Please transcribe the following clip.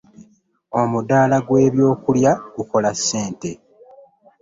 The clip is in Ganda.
Omudaala gw'ebyokulya gukola ssente.